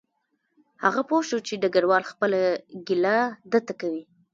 هغه پوه شو چې ډګروال خپله ګیله ده ته کوي